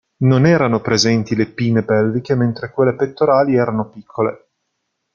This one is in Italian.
Non erano presenti le pinne pelviche, mentre quelle pettorali erano piccole.